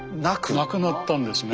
なくなったんですね。